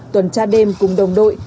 tuần tra đêm cùng đồng đội